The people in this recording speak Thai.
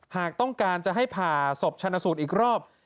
หากต้องการจะให้ผ่าศพชนะสูตรอีกรอบ